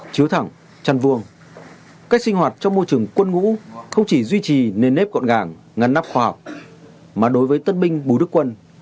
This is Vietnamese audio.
chứa thẳng chăn vuông cách sinh hoạt trong môi trường quân ngũ không chỉ duy trì nề nếp gọn gàng ngắn nắp khoa học mà đối với tân binh bù đức quân